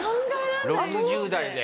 ６０代で。